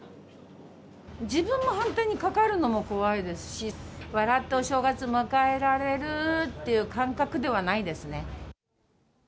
自分も本当にかかるのも怖いですし、笑ってお正月迎えられるっていう感覚ではないですね。